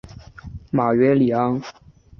马约里安。